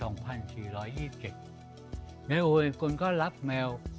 เน็ตโอเวียนกุลก็รับแมว